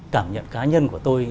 cảm nhận cá nhân của tôi